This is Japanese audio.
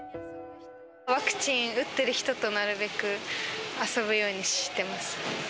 ワクチン打ってる人となるべく遊ぶようにしてます。